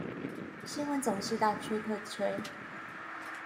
新聞總是大吹特吹